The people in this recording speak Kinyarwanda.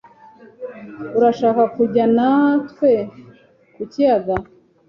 Urashaka kujyana natwe ku kiyaga?